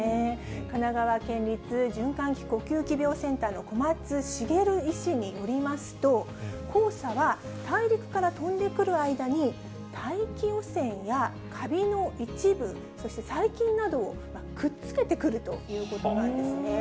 神奈川県立循環器呼吸器病センターの小松茂医師によりますと、黄砂は、大陸から飛んでくる間に大気汚染やカビの一部、そして細菌などをくっつけてくるということなんですね。